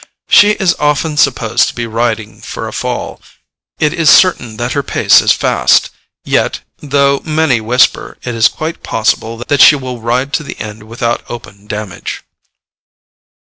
She is often supposed to be riding for a fall. It is certain that her pace is fast. Yet, though many whisper, it is quite possible that she will ride to the end without open damage.